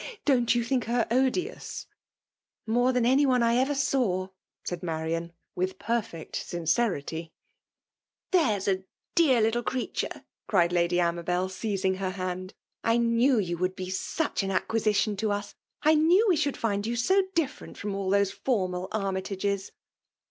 Don't you think her odious ?*'" More so than any one I ever saw I *' said Mariaau with perlect sincerity. FBKALB DOMINATIOX. 171 ''Tha«*s a dear liitle creature 1" eriedLady Amabel, seizing her liaod. " I knew you would be such an aequisition to us — ^I knew we should find you so different from all those formal Armytages